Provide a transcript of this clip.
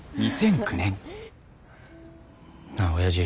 なあおやじ。